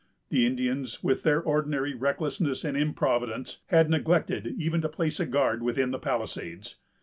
The Indians, with their ordinary recklessness and improvidence, had neglected even to place a guard within the palisades.